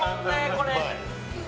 これ！